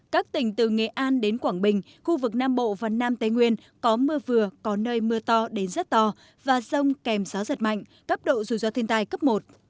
các tỉnh từ nghệ an đến quảng bình khu vực nam bộ và nam tây nguyên có mưa vừa có nơi mưa to đến rất to và rông kèm gió giật mạnh cấp độ rủi ro thiên tai cấp một